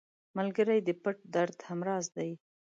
ملګری د پټ درد هم راز دی